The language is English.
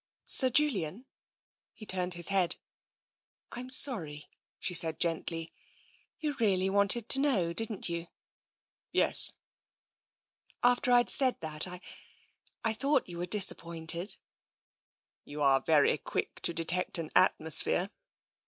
"Sir Julian?" He turned his head. " I'm sorry," she said gently. " You really wanted to know, didn't you?" " Yes." " After rd said that, I — I thought you were dis appointed." You are very quick to detect an atmosphere."